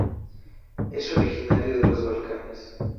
Es originario de los Balcanes.